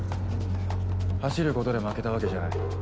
走ることで負けたわけじゃない。